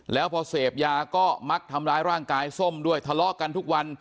แล้วพอเสพยาก็มักทำร้ายร่างกายส้มด้วยทะเลาะกันทุกวัน